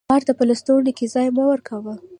مار ته په لستوڼي کښي ځای مه ورکوه